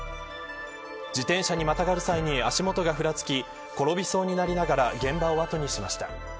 自転車にまたがる際に足元がふらつき転びそうになりながら現場を後にしました。